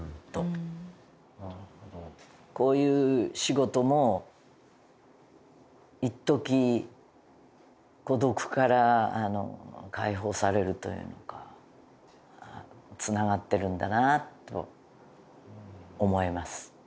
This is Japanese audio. こういう仕事もいっとき孤独から解放されるというのかつながってるんだなと思えます。